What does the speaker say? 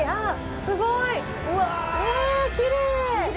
すごい！わあきれい！